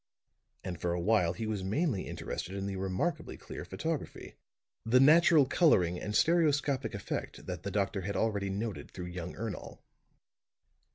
And for a while he was mainly interested in the remarkably clear photography, the natural coloring and stereoscopic effect that the doctor had already noted through young Ernol.